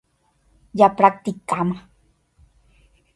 Japracticáma.